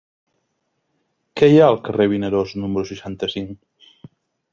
Què hi ha al carrer de Vinaròs número seixanta-cinc?